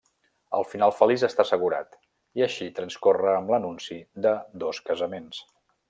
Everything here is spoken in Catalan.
El final feliç està assegurat, i així transcorre amb l'anunci de dos casaments.